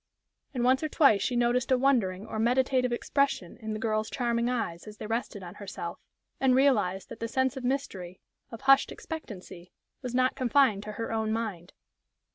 And once or twice she noticed a wondering or meditative expression in the girl's charming eyes as they rested on herself, and realized that the sense of mystery, of hushed expectancy, was not confined to her own mind.